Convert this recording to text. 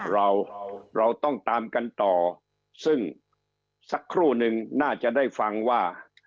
เราเราต้องตามกันต่อซึ่งสักครู่นึงน่าจะได้ฟังว่า